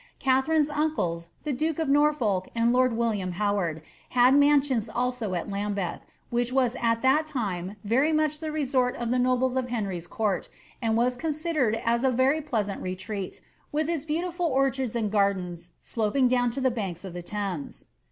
Katharine's uncles, the duke of Nor folk and lord William Howard, had mansions also at Lambelh, which was at that time very much the resort of the nobles of Henry's court, and was considered as a very pleasant retreat, with its beautiful orchards and gardens sloping down to the banks of the Thames.